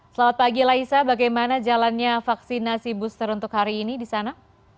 selamat pagi laisa bagaimana jalannya vaksinasi booster untuk hari ini di sana